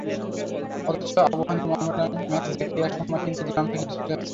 অথচ আবাহনী-মোহামেডান ম্যাচ দেখতে একসময় কিন্তু গ্রাম থেকেও ছুটে আসত লোকে।